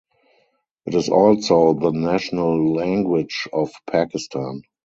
It is also the national language of Pakistan.